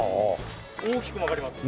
大きく曲がりますよね。